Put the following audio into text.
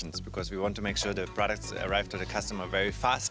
karena kita ingin memastikan produk menarik kepada pelanggan dengan cepat